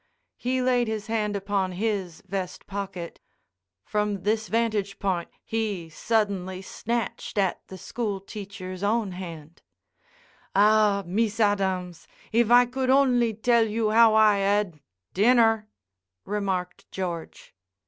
He laid his hand upon his vest pocket. From this vantage point he suddenly snatched at the school teacher's own hand, "Ah! Mees Adams, if I could only tell you how I ad—" "Dinner," remarked George.